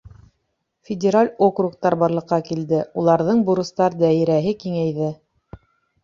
Федераль округтар барлыҡҡа килде, уларҙың бурыстар даирәһе киңәйҙе.